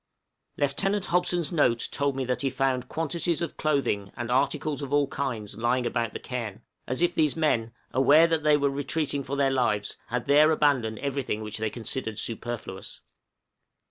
Lieutenant Hobson's note told me that he found quantities of clothing and articles of all kinds lying about the cairn, as if these men, aware that they were retreating for their lives, had there abandoned everything which they considered superfluous.